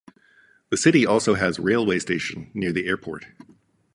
The city also has railway station near the airport.